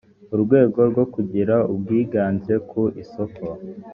urwego rwo kugira ubwiganze ku isoko